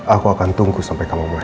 aku akan tunggu sampai kamu mulai